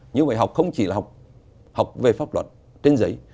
nhưng mà học không chỉ là học về pháp luật trên giấy